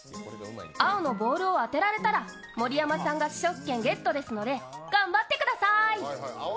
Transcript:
青のボールを当てられたら盛山さんが試食権ゲットですので、頑張ってください。